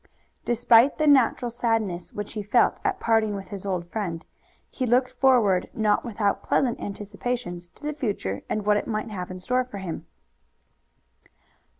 Despite the natural sadness which he felt at parting with his old friend, he looked forward not without pleasant anticipations to the future and what it might have in store for him.